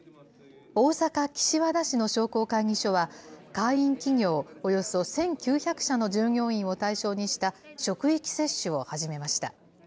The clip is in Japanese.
大阪・岸和田市の商工会議所は、会員企業およそ１９００社の従業員を対象にした職域接種を始めました。